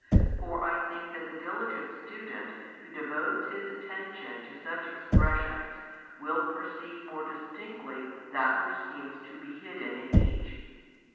For I think that the diligent student who devotes his attention to such expressions will perceive more distinctly that which seems to be hidden in each.